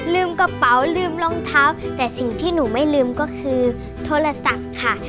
กระเป๋าลืมรองเท้าแต่สิ่งที่หนูไม่ลืมก็คือโทรศัพท์ค่ะ